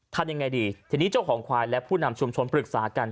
ทำยังไงดีทีนี้เจ้าของควายและผู้นำชุมชนปรึกษากัน